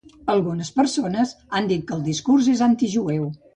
Algunes persones han dit que el discurs és antijueu.